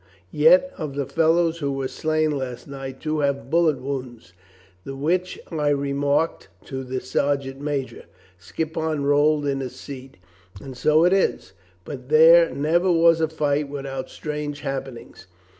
"Yet, of the fellows who were slain last night two have bullet wounds, the which I re marked to the sergeant major." Skippon rolled in his seat. "And so it is. But there never was a fight without strange happenings."